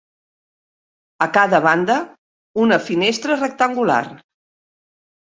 A cada banda, una finestra rectangular.